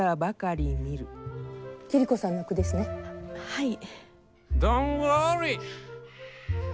はい。